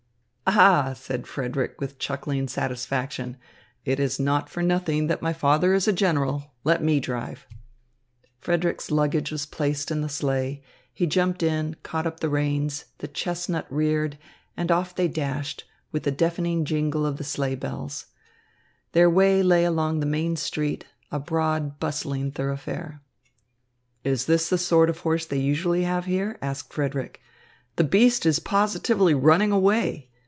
"Ah," said Frederick with chuckling satisfaction, "it is not for nothing that my father is a general. Let me drive." Frederick's luggage was placed in the sleigh, he jumped in, caught up the reins, the chestnut reared, and off they dashed, with a deafening jingle of the sleigh bells. Their way lay along the main street, a broad, bustling thoroughfare. "Is this the sort of horse they usually have here?" asked Frederick. "The beast is positively running away.